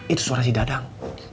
itu suara si dadang